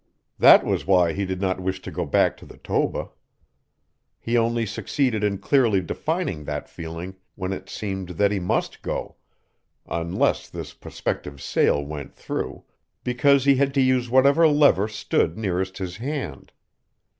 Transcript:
That was why he did not wish to go back to the Toba. He only succeeded in clearly defining that feeling when it seemed that he must go unless this prospective sale went through because he had to use whatever lever stood nearest his hand.